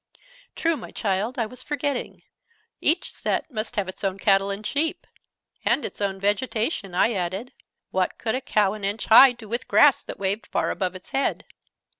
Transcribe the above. "True, my child, I was forgetting. Each set must have its own cattle and sheep." "And its own vegetation," I added. "What could a cow, an inch high, do with grass that waved far above its head?"